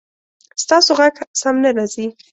ستاسو غږ سم نه راځي